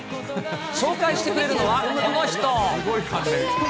紹介してくれるのは、この人。